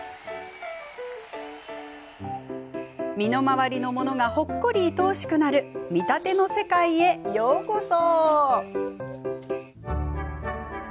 身の回りのものがほっこり、いとおしくなる見立ての世界へようこそ。